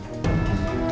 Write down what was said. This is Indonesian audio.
mas joko keluar